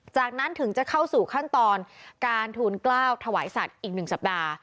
จากนั้นถึงจะเข้าสู่ขั้นตอนการทูลกล้าวถวายสัตว์อีก๑สัปดาห์